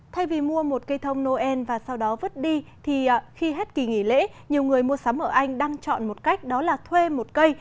thay vì mua một cây thông noel và sau đó vứt đi thì khi hết kỳ nghỉ lễ nhiều người mua sắm ở anh đang chọn một cách đó là thuê một cây